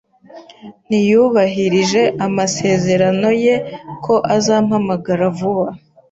Ntiyubahirije amasezerano ye ko azampamagara vuba.